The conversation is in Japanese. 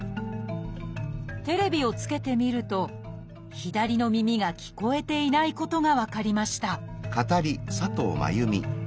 テレビをつけてみると左の耳が聞こえていないことが分かりました